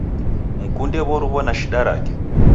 Mkunde w'oruw'o na shida rake.